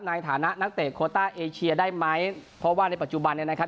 ในฐานะนักเตะโคต้าเอเชียได้ไหมเพราะว่าในปัจจุบันเนี่ยนะครับ